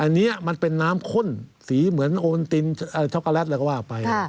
อันนี้มันเป็นน้ำข้นสีเหมือนโอนตินช็อกโกแลตอะไรก็ว่าไป